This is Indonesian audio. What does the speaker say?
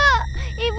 bu takut bu